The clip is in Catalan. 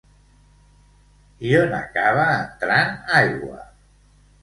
I on acaba entrant aigua?